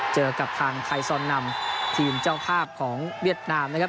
เจอกับทางไทยซอนนำทีมเจ้าภาพของเวียดนามนะครับ